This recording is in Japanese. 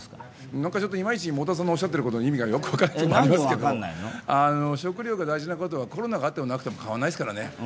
なんかいまいち太田さんのおっしゃってる意味が分からないんですけど食糧が大事なことはコロナがあってもなくても変わらないですからね。